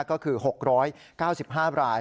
ก็คือ๖๙๕ราย